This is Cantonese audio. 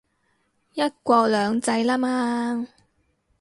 一國兩制喇嘛